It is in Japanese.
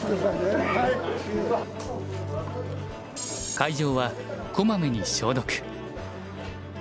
会場はこまめに消毒。